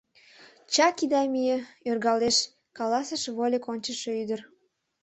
— Чак ида мие, ӧргалеш, — каласыш вольык ончышо ӱдыр.